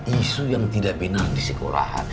isu yang tidak benar